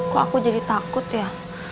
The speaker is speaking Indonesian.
kok aku jadi takut ya